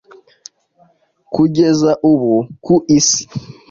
Kugeza ubu ku isi,